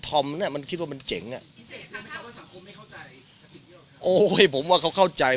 ทอมเนี้ยมันคิดว่ามันเจ๋งอ่ะโอ้ยผมว่าเขาเข้าใจ